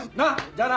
じゃあな。